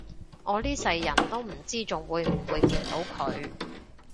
我呢世人都唔知仲會唔會見到佢